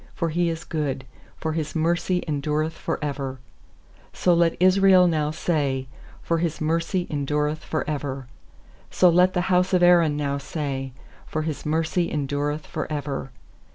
1X0 for He is good, For His mercy endureth for ever/ 2So let Israel now say, For His mercy endureth for ever. 8So let the bouse of Aaron now say, For His mercy endureth for ever.